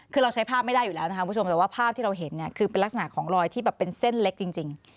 คือเราใช้ภาพไม่ได้อยู่แล้วนะครับคุณผู้ชมแต่ว่าภาพที่เราเห็นเนี่ยคือเป็นลักษณะของรอยที่แบบเป็นเส้นเล็กจริง